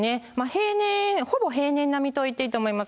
平年、ほぼ平年並みといっていいと思います。